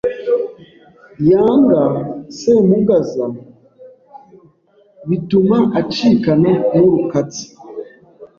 yanga Semugaza, bituma acikana n’Urukatsa